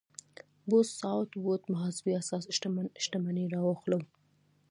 بوث ساوت ووډ محاسبې اساس شتمن شتمني راواخلو.